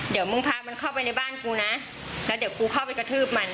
เดี๋ยวมึงพามันเข้าไปในบ้านกูนะแล้วเดี๋ยวกูเข้าไปกระทืบมัน